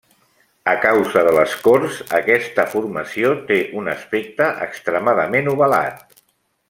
A causa de l'escorç, aquesta formació té un aspecte extremadament ovalat.